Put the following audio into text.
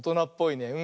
うん。